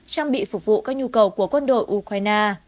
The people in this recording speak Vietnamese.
trang bị phục vụ các nhu cầu của quân đội ukraine